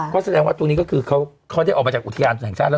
ก็แสดงว่าตรงนี้ก็คือเขาได้ออกมาจากอุทยานแห่งชาติแล้ว